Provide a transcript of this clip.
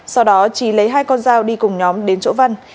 sau đó trí lấy hai con dao đi cùng nhóm đến chỗ văn